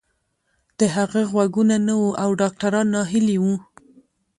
د هغه غوږونه نه وو او ډاکتران ناهيلي وو.